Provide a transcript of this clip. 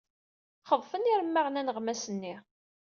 Xeḍfen yiremmaɣen aneɣmas-nni.